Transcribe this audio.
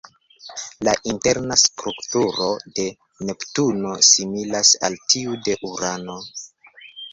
La interna strukturo de Neptuno similas al tiu de Urano.